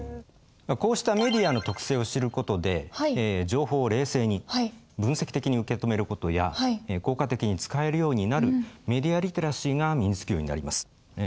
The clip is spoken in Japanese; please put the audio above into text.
こうしたメディアの特性を知る事で情報を冷静に分析的に受け止める事や効果的に使えるようになるメディア・リテラシーが身につくようになります。